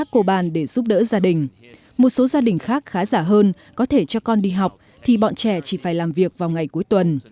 một số gia đình khác khá giả hơn có thể cho con đi học thì bọn trẻ chỉ phải làm việc vào ngày cuối tuần